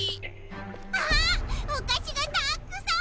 あっおかしがたくさん！